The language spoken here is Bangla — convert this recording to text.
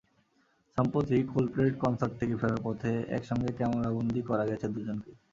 সম্প্রতি ক্লোল্ডপ্লের কনসার্ট থেকে ফেরার পথে একসঙ্গে ক্যামেরাবন্দী করা গেছে দুজনকে।